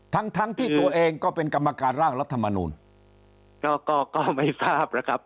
ทั้งทั้งที่ตัวเองก็เป็นกรรมการร่างรัฐมนูลก็ก็ไม่ทราบนะครับ